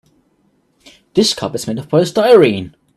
This cup is made of polystyrene.